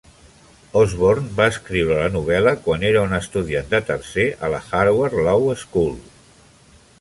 Osborn va escriure la novel·la quan era un estudiant de tercer a la Harvard Law School.